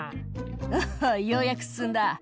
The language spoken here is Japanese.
「アハっようやく進んだ」